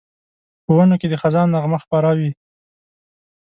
په ونو کې د خزان نغمه خپره وي